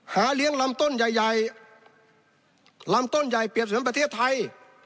หาเลี้ยงลำต้นใหญ่ใหญ่ลำต้นใหญ่เปรียบเสมือนประเทศไทย